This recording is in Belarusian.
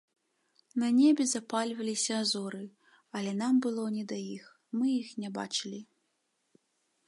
На небе запальваліся зоры, але нам было не да іх, мы іх не бачылі.